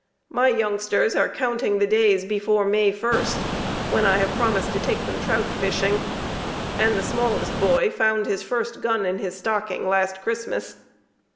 My youngsters are counting the days before May first when I have promised to take them trout fishing, and the smallest boy found his first gun in his stocking last Christmas.